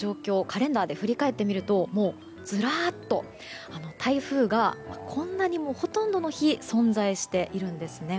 カレンダーで振り返ってみるともう、ずらっと台風がこんなにも、ほとんどの日存在しているんですね。